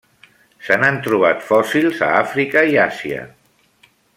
Se n'han trobat fòssils a Àfrica i Àsia.